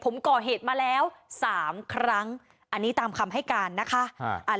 ผมก่อเหตุมาแล้วสามครั้งอันนี้ตามคำให้การนะคะ